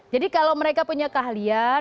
jadi kalau mereka punya keahlian